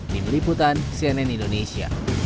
tim liputan cnn indonesia